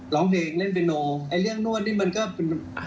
ร้องเพลงเล่นเบโนไอ้เรื่องนวดนี่มันก็เป็น